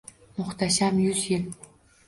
Muhtasham yuz yil